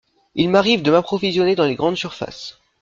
Il m’arrive de m’approvisionner dans les grandes surfaces.